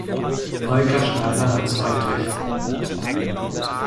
Volker Schneider hat zwei Töchter.